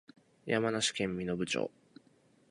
山梨県身延町